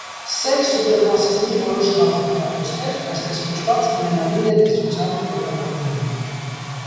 Սև սուպրեմասիզմի որոշ գաղափարախոսներ, այսպես կոչված, «մելանինե տեսության» հետևորդներն են։